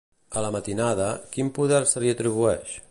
A la matinada, quin poder se li atribueix?